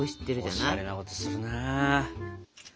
おしゃれなことするな。